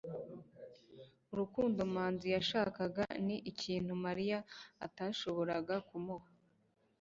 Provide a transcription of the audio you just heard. urukundo manzi yashakaga ni ikintu mariya atashoboraga kumuha